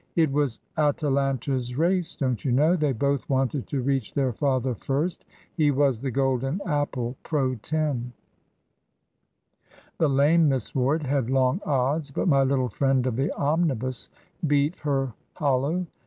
"It was Atalanta's race, don't you know. They both wanted to reach their father first; he was the golden apple, pro tem. "The lame Miss Ward had long odds, but my little friend of the omnibus beat her hollow.